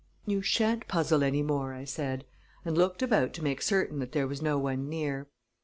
"You shan't puzzle any more," I said, and looked about to make certain that there was no one near.